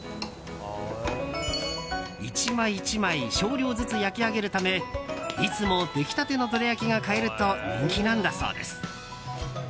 １枚１枚少量ずつ焼き上げるためいつも出来たてのどら焼きが買えると人気なんだそうです。